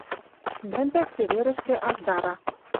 Мӹндӹр цеверӹшкӹ аздара